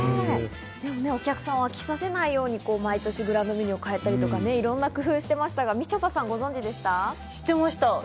お客さんを飽きさせないように毎年裏メニューを変えたりとかいろんな工夫をされていましたけれども、みちょぱさ知っていました。